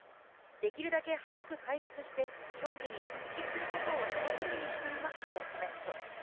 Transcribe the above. できるだけ早く回復して、競技に復帰することを楽しみにしていますとコメント。